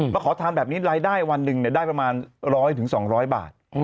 มาขอทานแบบนี้รายได้วันหนึ่งได้ประมาณร้อยถึงสองร้อยบาท